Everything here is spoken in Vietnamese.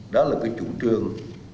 đó là cái chủ trường